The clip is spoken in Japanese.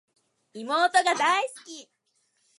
妹が大好き